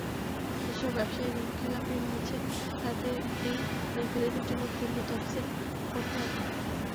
যেসব ব্যবসায়ী ঋণখেলাপি হয়েছেন, তাঁদেরটি দীর্ঘদিনের জন্য পুনঃ তফসিল করতে হবে।